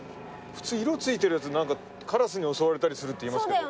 普通色付いてるやつカラスに襲われたりするっていいますけど。